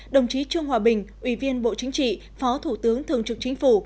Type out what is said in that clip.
đồng chí trương hòa bình ủy viên bộ chính trị phó thủ tướng thường trực chính phủ